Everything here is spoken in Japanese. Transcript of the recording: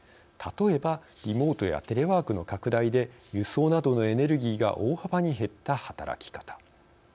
例えばリモートやテレワークの拡大で輸送などのエネルギーが大幅に減った働き方。